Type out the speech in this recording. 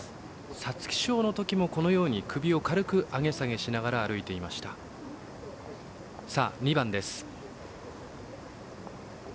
皐月賞のときもこのように首を軽く上げ下げしながら歩いていました。